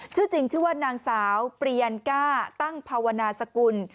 ชื่อจริงชื่อว่านางสาวปริยันก้าตั้งภาวนาสกุล